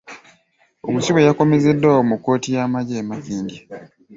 Omusibe yakomezeddwawo mu kkooti y’amaggye e Makindye.